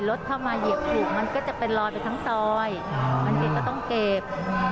รถเข้ามาเหยียบถูกมันก็จะเป็นลอยไปทั้งซอยบางทีก็ต้องเก็บ